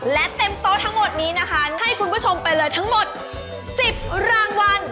และเต็มโต๊ะทั้งหมดนี้นะคะให้คุณผู้ชมไปเลยทั้งหมด๑๐รางวัล